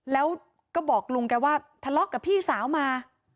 แล้วก็บอกลุงแกว่าทะเลาะกับพี่สาวมา